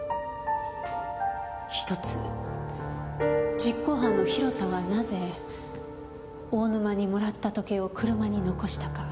一つ実行犯の広田はなぜ大沼にもらった時計を車に残したか。